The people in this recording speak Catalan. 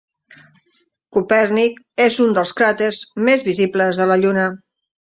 Copèrnic és un dels cràters més visibles de la Lluna.